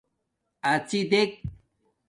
اڎݵ دیک